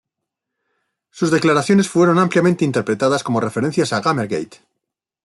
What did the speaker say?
Sus declaraciones fueron ampliamente interpretadas como referencias a Gamergate.